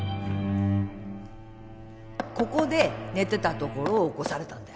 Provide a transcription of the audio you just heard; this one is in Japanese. ここで寝てたところを起こされたんだよ